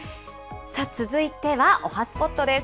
続いてはおはＳＰＯＴです。